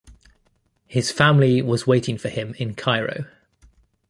His family was waiting for him in Cairo.